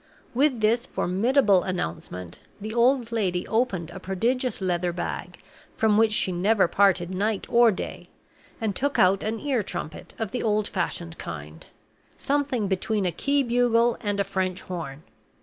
With this formidable announcement, the old lady opened a prodigious leather bag, from which she never parted night or day, and took out an ear trumpet of the old fashioned kind something between a key bugle and a French horn.